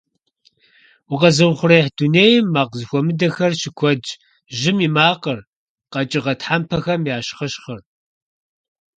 Укъэзыухъуреихь дунейм макъ зэхуэмыдэхэр щыкуэдщ: жьым и макъыр, къэкӀыгъэ тхьэмпэхэм я щхъыщхъыр.